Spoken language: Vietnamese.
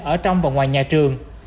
ở trong và ngoài nhà trường